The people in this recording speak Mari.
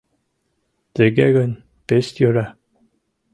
— Тыге гын, пеш йӧра.